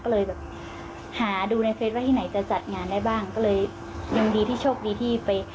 ก็เลยแบบหาดูในเฟสว่าที่ไหนจะจัดงานได้บ้างก็เลยยังดีที่โชคดีที่ไป